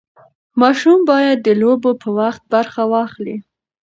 ماشوم باید د لوبو په وخت برخه واخلي.